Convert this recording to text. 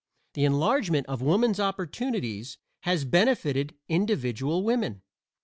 The "enlargement of woman's opportunities" has benefited individual women.